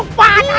tidak ada blokah